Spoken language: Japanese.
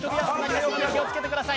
気をつけてください。